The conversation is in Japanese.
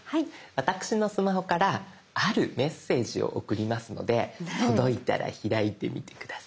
私のスマホからあるメッセージを送りますので届いたら開いてみて下さい。